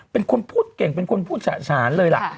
เป็นคนพูดเก่งเป็นคนพูดฉะฉานเลยล่ะ